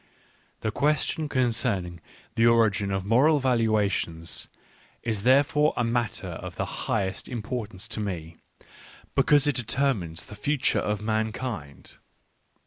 The question concerning the origin of moral valuations is therefore a matter of the highest importance to me because it determines the future of mankind.